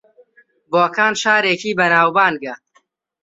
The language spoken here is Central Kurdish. بۆکان شارێکی بەناوبانگە